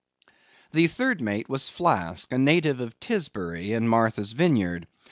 The third mate was Flask, a native of Tisbury, in Martha's Vineyard.